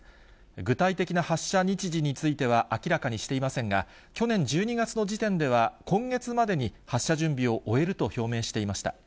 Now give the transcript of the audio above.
具体的な発射日時については明らかにしていませんが、去年１２月の時点では、今月までに発射準備を終えると表明していました。